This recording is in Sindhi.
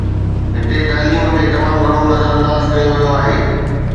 هتي تعليم کي تمام گهڻو نظرانداز ڪيو ويو آهي.